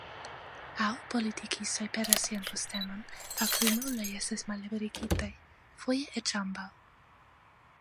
Aŭ politikistoj perdas sian postenon, aŭ krimuloj estas malliberigitaj, foje eĉ ambaŭ.